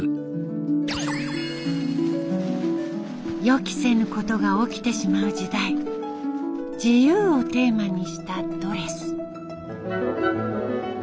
予期せぬことが起きてしまう時代自由をテーマにしたドレス。